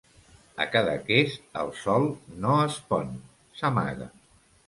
A Cadaqués, el sol no es pon, s'amaga.